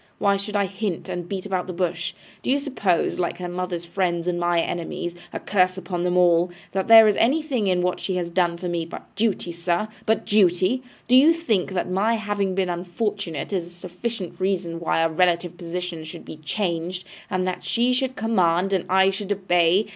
Why should I hint, and beat about the bush? Do you suppose, like her mother's friends and my enemies a curse upon them all! that there is anything in what she has done for me but duty, sir, but duty? Or do you think that my having been unfortunate is a sufficient reason why our relative positions should be changed, and that she should command and I should obey?